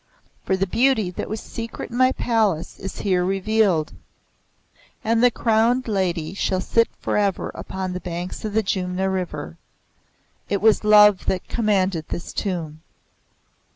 For the beauty that was secret in my Palace is here revealed; and the Crowned Lady shall sit forever upon the banks of the Jumna River. It was love that commanded this Tomb."